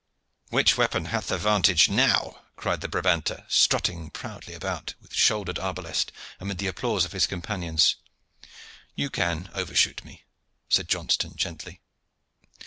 "Which weapon hath the vantage now?" cried the Brabanter, strutting proudly about with shouldered arbalest, amid the applause of his companions. "You can overshoot me," said Johnston gently.